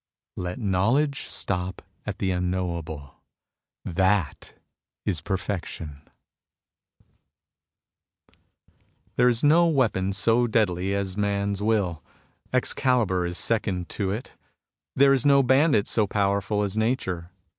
Let knowledge stop at the unknowable. That is perfection. 104 MUSINGS OF A CHINESE MYSTIC There is no weapon so deadly as man's will. Excalibur is second to it. There is no bandit so powerful as Nature.